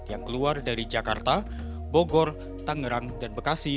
yang keluar dari jakarta bogor tangerang dan bekasi